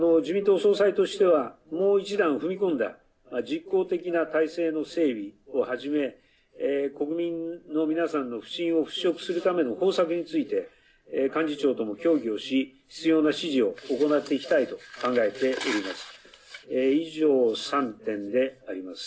自民党総裁としてはもう一段踏み込んだ実効的な体制の整備をはじめ国民の皆さんの不信を払拭するための法策について幹事長とも協議し必要な指示を行ってきたいと考えております。